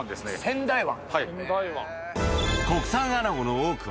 仙台湾。